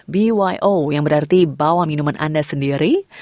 byo yang berarti bawa minuman anda sendiri